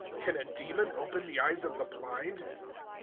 Can a demon open the eyes of the blind?